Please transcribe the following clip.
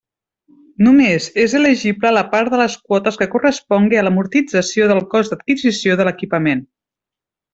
Només és elegible la part de les quotes que correspongui a l'amortització del cost d'adquisició de l'equipament.